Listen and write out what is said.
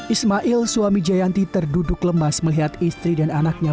ismail suami jayanti terduduk lemas melihat istri dan anaknya